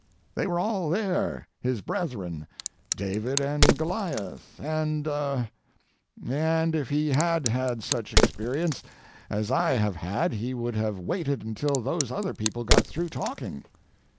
They were all there, his brethren, David and Goliath, and—er, and if he had had such experience as I have had he would have waited until those other people got through talking.